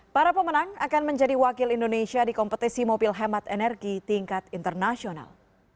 para pemenang akan menjadi wakil indonesia di kompetisi mobil hemat energi tingkat internasional